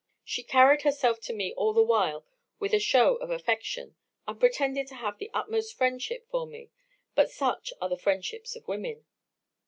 She carried herself to me all the while with a shew of affection, and pretended to have the utmost friendship for me But such are the friendships of women!"